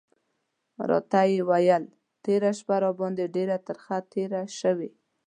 ورته یې وویل: تېره شپه راباندې ډېره ترخه تېره شوې.